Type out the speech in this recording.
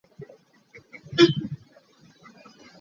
Nu he pa he nan ra dih lai.